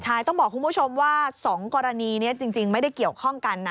ใช่ต้องบอกคุณผู้ชมว่า๒กรณีนี้จริงไม่ได้เกี่ยวข้องกันนะ